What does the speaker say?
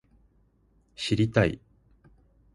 知りたい